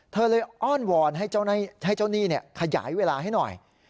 เธอเลยอ้อนวอนให้เจ้าหนี้ขยายเวลาให้หน่อย